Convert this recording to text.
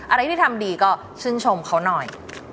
อะไรที่ทำดีก็ชื่นชมเขาหน่อย